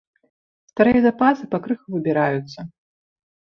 Старыя запасы пакрыху выбіраюцца.